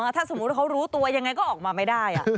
ถ้าสมมุติเขารู้ตัวยังไงก็ออกมาไม่ได้